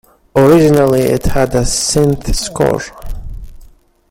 Originally, it had a synth score.